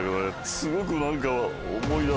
すごく何か。